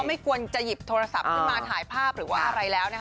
ไม่ควรจะหยิบโทรศัพท์ขึ้นมาถ่ายภาพหรือว่าอะไรแล้วนะคะ